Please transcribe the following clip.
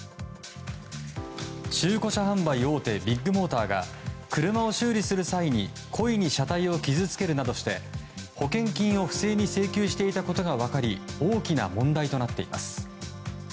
中古車販売大手ビッグモーターが車を修理する際に故意に車体を傷つけるなどして保険金を不正に請求していたことが分かり大きな問題となっています。